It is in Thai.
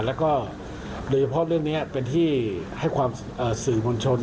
แล้วก็โดยเฉพาะเรื่องนี้เป็นที่ให้ความสื่อมวลชน